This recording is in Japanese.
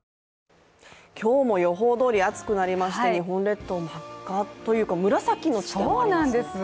今日も予報どおり暑くなりまして日本列島、真っ赤というか紫の地点もありますね。